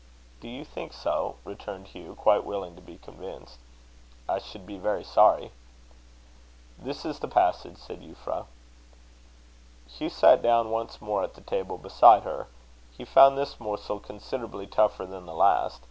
"Do you think so?" returned Hugh quite willing to be convinced. "I should be very sorry." "This is the passage," said Euphra. Hugh sat down once more at the table beside her. He found this morsel considerably tougher than the last.